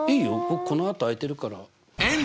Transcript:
僕このあと空いてるから。